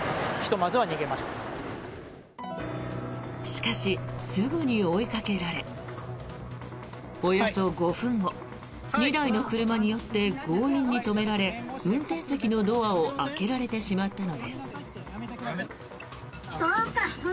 しかしすぐに追いかけられおよそ５分後２台の車によって強引に止められ運転席のドアを開けられてしまったのです。